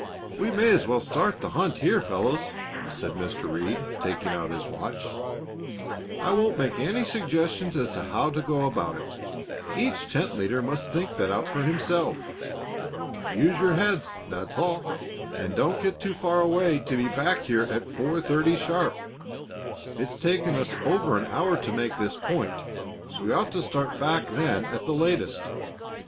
"We may as well start the hunt here, fellows," said Mr. Reed, taking out his watch. "I won't make any suggestions as to how to go about it; each tent leader must think that out for himself. Use your heads, that's all, and don't get too far away to be back here at four thirty sharp. It's taken us over an hour to make this point, so we ought to start back then at the latest.